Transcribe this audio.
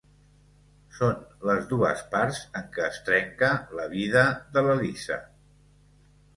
Són les dues parts en què es trenca la vida de l'Elisa.